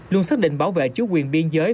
luôn xác định bảo vệ chứa quyền biên giới